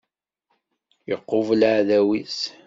Iqubel aεdaw-is.